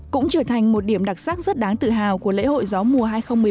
cũng trở thành một điểm đặc sắc rất đáng tự hào của lễ hội gió mùa hai nghìn một mươi chín